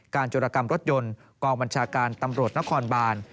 จรกรรมรถยนต์กองบัญชาการตำรวจนครบาน